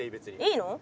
いいの？